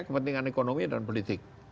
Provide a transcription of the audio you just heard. kepentingan ekonomi dan politik